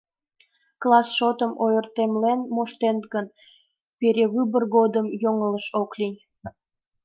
— Класс шотым ойыртемлен моштет гын, перевыбор годым йоҥылыш ок лий.